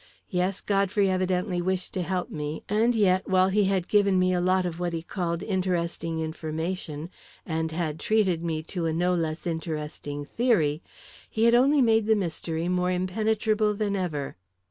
Yes, Godfrey evidently wished to help me; and yet, while he had given me a lot of what he called "interesting information," and had treated me to a no less interesting theory, he had only made the mystery more impenetrable than ever.